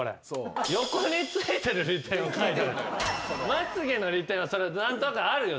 まつげの利点は何となくあるよ